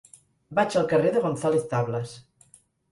Vaig al carrer de González Tablas.